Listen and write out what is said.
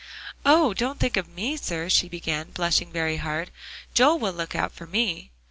"Oh! don't think of me, sir," she began, blushing very hard. "Joel will look out for me."